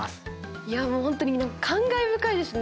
いやもう本当に感慨深いですね